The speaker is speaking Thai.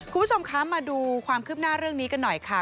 คุณผู้ชมคะมาดูความคืบหน้าเรื่องนี้กันหน่อยค่ะ